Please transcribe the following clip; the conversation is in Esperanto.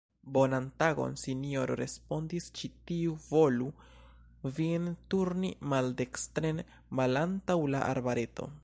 Bonan tagon, sinjoro, respondis ĉi tiu, volu vin turni maldekstren malantaŭ la arbareto.